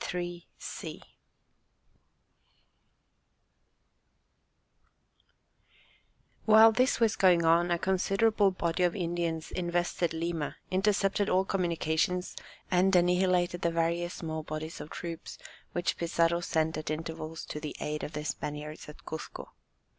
While this was going on, a considerable body of Indians invested Lima, intercepted all communications, and annihilated the various small bodies of troops which Pizarro sent at intervals to the aid of the Spaniards at Cuzco.